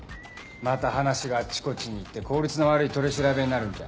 また話があっちこっちにいって効率の悪い取り調べになるんじゃ。